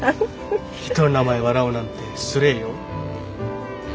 人の名前を笑うなんて失礼よ。